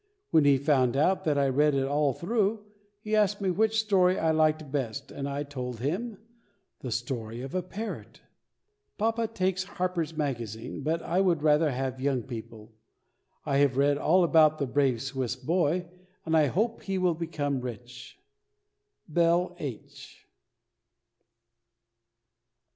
When he found out that I read it all through, he asked which story I liked the best, and I told him, "The Story of a Parrot." Papa takes HARPER'S MAGAZINE, but I would rather have YOUNG PEOPLE. I have read all about the "Brave Swiss Boy," and I hope he will become rich. BELL H.